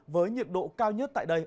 với nhiệt độ cao nhất tại đây